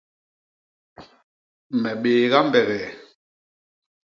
Me bééga mbegee.